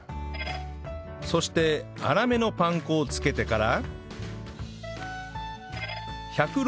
そして粗めのパン粉を付けてから